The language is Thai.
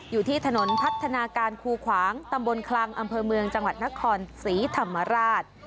อยู่ที่ถนนพัฒนาการคูขวางตำบลคลังอำเภอเมืองจังหวัดนครศรีธรรมราช